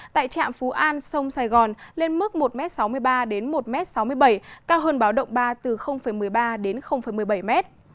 tại trạm phú an sông sài gòn lên mức một m sáu mươi ba đến một m sáu mươi bảy cao hơn báo động ba từ một mươi ba đến một mươi bảy m